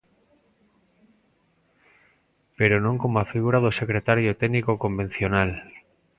Pero non como a figura do secretario técnico convencional.